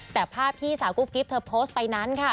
แต่ภาพที่สาวกุ๊กกิ๊บเธอโพสต์ไปนั้นค่ะ